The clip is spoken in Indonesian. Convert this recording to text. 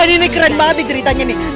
ini keren banget nih ceritanya nih